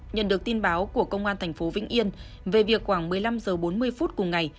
nhận được tin báo của công an tp vĩnh yên về việc khoảng một mươi năm h bốn mươi phút cùng ngày